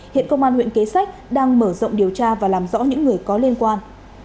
hiện công an huyện kế sách đang mở rộng điều tra và làm rõ những người có liên quan